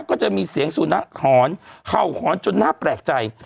ก็จะมีเสียงสุนัขหอนเข่าหอนจนน่าแปลกใจ